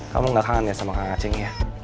kamu gak kangen ya sama kang aceng ya